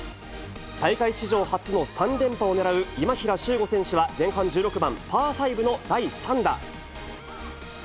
大会史上初の３連覇を狙う、今平周吾選手は前半１６番パー５の第３打。